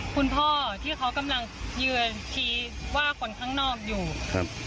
คุณพ่อที่เขากำลังเยือนชี้ว่าคนข้างนอกอยู่ครับ